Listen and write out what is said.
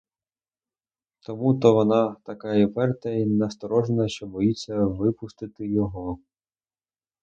Тому то вона така й уперта й насторожена, що боїться випустити його.